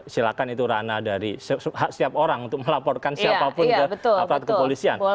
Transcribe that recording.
silakan itu rana dari setiap orang untuk melaporkan siapapun ke polisian